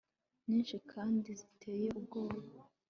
nyinshi kandi ziteye ubwoba